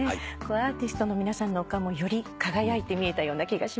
アーティストの皆さんのお顔もより輝いて見えたような気がします。